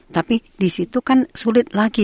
tapi disitu kan sulit lagi